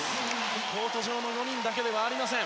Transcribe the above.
コート上の５人だけではありません。